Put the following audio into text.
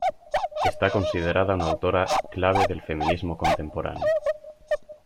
Está considerada una autora clave del feminismo contemporáneo.